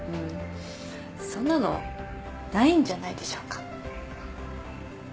そんなのないんじゃないでしょうか。